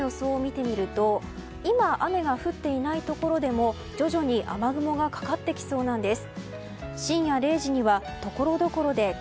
これからの雨の予想を見てみると今、雨が降っていないところでも徐々に雨雲がかかってきそうなんです。